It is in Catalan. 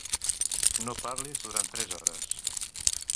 No parlis durant tres hores.